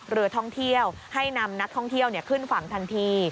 เรือท่องเที่ยวให้นำนักท่องเที่ยวขึ้นฝั่งทันที